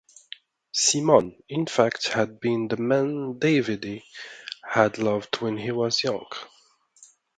Simone, in fact, had been the man Davide had loved when he was young.